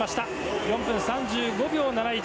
４分３５秒７１。